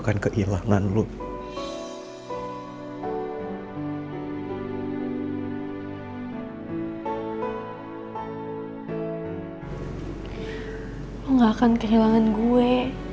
tapi tetep aja dia ngacangin gue